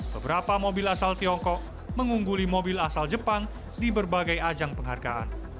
beberapa mobil asal tiongkok mengungguli mobil asal jepang di berbagai ajang penghargaan